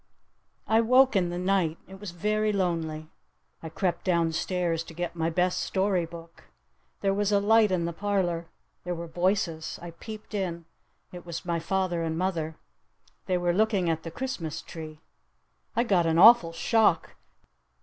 I woke in the night. It was very lonely. I crept down stairs to get my best story book. There was a light in the parlor. There were voices. I peeped in. It was my father and my mother. They were looking at the Christmas tree. I got an awful shock.